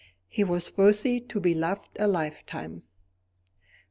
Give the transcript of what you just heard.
"He was worthy to be loved a Lifetime."